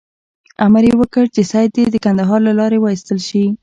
امر یې وکړ چې سید دې د کندهار له لارې وایستل شي.